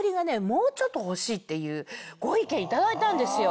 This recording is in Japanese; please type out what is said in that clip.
もうちょっと欲しいっていうご意見頂いたんですよ。